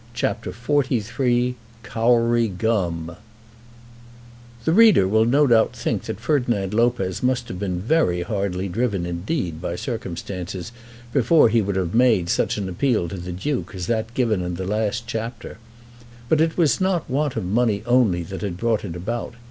CHAPTER XLIII Kauri Gum The reader will no doubt think that Ferdinand Lopez must have been very hardly driven indeed by circumstances before he would have made such an appeal to the Duke as that given in the last chapter. But it was not want of money only that had brought it about.